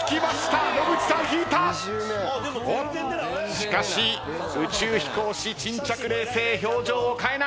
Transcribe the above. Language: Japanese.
しかし宇宙飛行士沈着冷静表情を変えない。